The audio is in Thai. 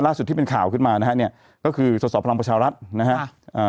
ที่เป็นข่าวขึ้นมานะฮะเนี่ยก็คือสอสอพลังประชารัฐนะฮะอ่า